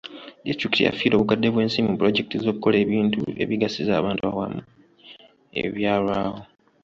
Disitulikiti yafiirwa obukadde bw'ensimbi mu pulojekiti z'okukola ebintu ebigasiza abantu awamu ebyalwawo.